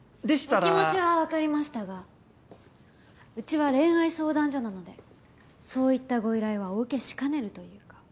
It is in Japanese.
お気持ちはわかりましたがウチは恋愛相談所なのでそういったご依頼はお受けしかねるというか。